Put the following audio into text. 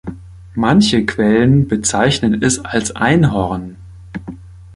Manche Quellen bezeichnen es als Einhorn.